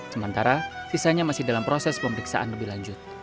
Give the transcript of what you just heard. sementara sisanya masih dalam proses pemeriksaan lebih lanjut